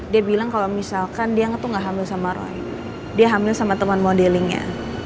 dia bilang kalau misalkan dia tuh gak hamil sama roy dia hamil sama teman modelingnya